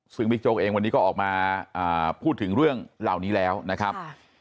ซึ่งบิ๊กโจ๊กเองวันนี้ก็ออกมาพูดถึงเรื่องเหล่านี้แล้วนะครับ